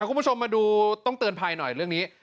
คุณผู้ชมมาดูต้องเตือนภัยหน่อยเรื่องนี้